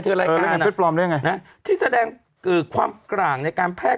เขาเรียกคันนี้มาตั้งแต่ตัดกรณีก่อนนะ